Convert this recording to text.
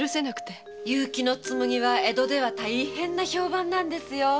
結城紬は江戸では大変な評判なんですよ。